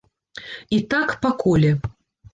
І так па коле.